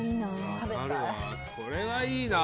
これはいいな。